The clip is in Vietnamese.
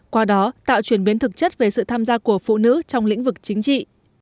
qua đó tạo chuyển biến thực chất về sự tham gia của phụ nữ trong lĩnh vực chính trị